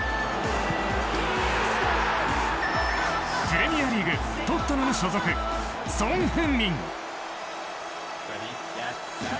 プレミアリーグ、トットナム所属ソン・フンミン。